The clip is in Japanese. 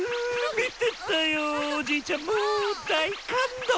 見てたよおじいちゃんもう大感動！